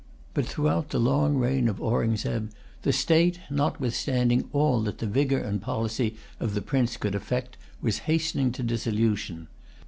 But, throughout the long reign of Aurungzebe, the state, notwithstanding all that the vigour and policy of the prince could effect, was hastening to dissolution.